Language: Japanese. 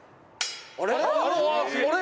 あれ？